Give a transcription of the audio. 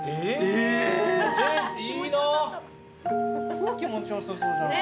超気持ちよさそうじゃない？